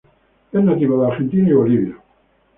Es nativo de Argentina y Bolivia.